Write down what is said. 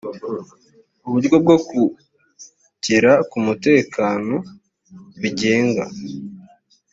uburyo bwo kugera ku mutekano bigenga